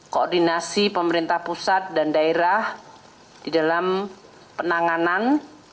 koordinasi pemerintah pusat dan daerah di dalam penanganan